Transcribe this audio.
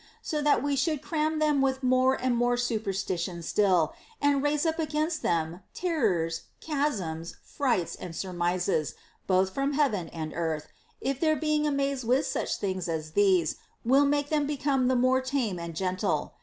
So that we should cram them with more and more superstition still, and raise up against them terrors, chasms, frights, and sur mises, both from heaven and earth, if their being amazed with such things as these will make them become the more tame and gentle.